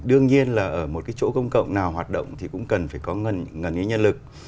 đương nhiên là ở một cái chỗ công cộng nào hoạt động thì cũng cần phải có gần như nhân lực